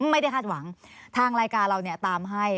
ไม่ได้คาดหวังทางรายการเราเนี่ยตามให้